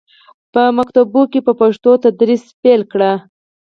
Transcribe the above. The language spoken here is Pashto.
په ښوونځیو کې یې په پښتو تدریس پیل کړ.